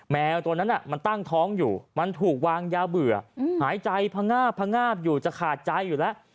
แมวตัวนั้นมันตั้งท้องอยู่มันถูกวางยาเบื่อหายใจพงาบพงาบอยู่จะขาดใจอยู่แล้ว